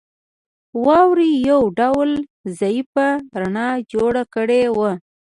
واورې یو ډول ضعیفه رڼا جوړه کړې وه